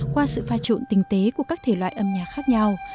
qua sự pha trộn tinh tế của các thể loại âm nhạc khác nhau